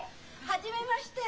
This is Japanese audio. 初めまして。